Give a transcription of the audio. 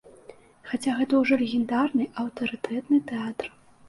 Хаця гэта ўжо легендарны, аўтарытэтны тэатр.